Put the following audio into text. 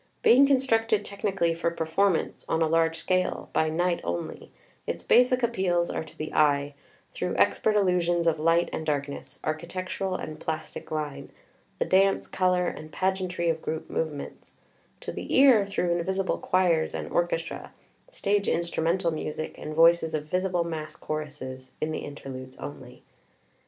Being constructed technically for performance, on a large scale, by night only, its basic appeals are to the eye, through expert illusions of light and darkness, architectural and plastic line, the dance, color, and pag eantry of group movements; to the ear, through invisible choirs and xxix xxx MASQUE STRUCTURE orchestra, stage instrumental music and voices of visible mass choruses [in the Interludes only].